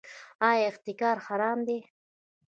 آیا احتکار حرام دی؟